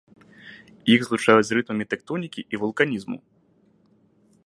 Іх злучаюць з рытмамі тэктонікі і вулканізму.